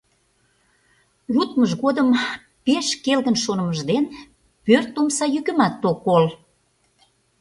Лудмыж годым пеш келгын шонымыж дене пӧрт омса йӱкымат ок кол.